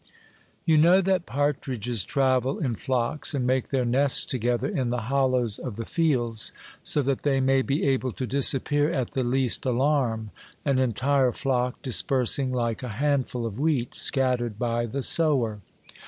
You know that partridges travel in flocks, and make their nests together in the hollows of the fields, so that they may be able to disappear at the least alarm, an entire flock dispersing like a hand ful of wheat scattered by the sower.